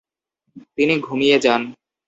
তিনি ঘুমিয়ে যান।